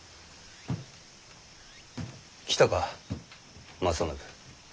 来たか正信。